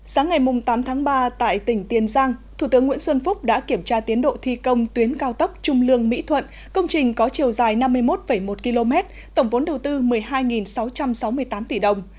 sáng ngày tám tháng ba tại tỉnh tiền giang thủ tướng nguyễn xuân phúc đã kiểm tra tiến độ thi công tuyến cao tốc trung lương mỹ thuận công trình có chiều dài năm mươi một một km tổng vốn đầu tư một mươi hai sáu trăm sáu mươi tám tỷ đồng